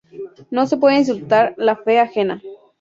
No se puede insultar la fe ajena.